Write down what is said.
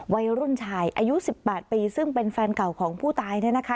วัยรุ่นชายอายุสิบแปดปีซึ่งเป็นแฟนเก่าของผู้ตายเนี่ยนะคะ